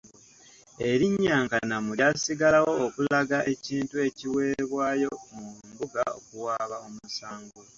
Erinnya nkanamu lyasigalawo okulaga ekintu ekiweebwayo mu mbuga okuwaaba omusango.